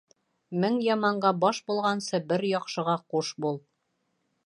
Мең яманға баш булғансы, бер яҡшыға ҡуш бул.